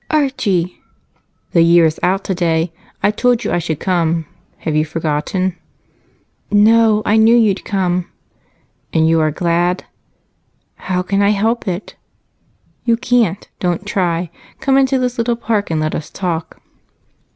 "Archie!" "The year is out today. I told you I should come. Have you forgotten?" "No I knew you'd come." "And are you glad?" "How can I help it?" "You can't don't try. Come into this little park and let us talk."